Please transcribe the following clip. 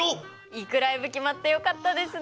行くライブ決まってよかったですね。